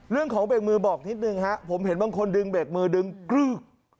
เรื่องของเบรกมือบอกนิดนึงฮะผมเห็นบางคนดึงเบรกมือดึงกรึก